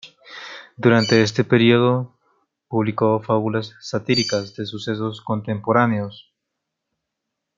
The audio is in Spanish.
Durante este periodo publicó fábulas satíricas de sucesos contemporáneos.